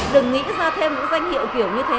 đừng nghĩ ra thêm những danh hiệu kiểu như thế